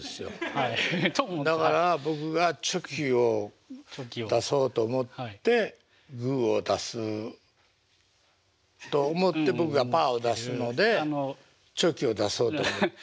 だから僕がチョキを出そうと思ってグーを出すと思って僕がパーを出すのでチョキを出そうと思って。